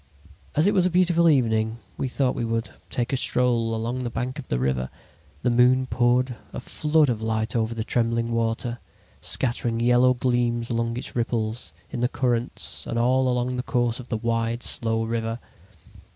"As it was a beautiful evening we thought we would take a stroll along the bank of the river. The moon poured a flood of light on the trembling water, scattering yellow gleams along its ripples in the currents and all along the course of the wide, slow river.